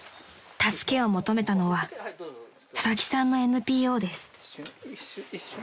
［助けを求めたのは佐々木さんのＮＰＯです］